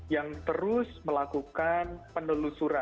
yang terus melakukan penelusuran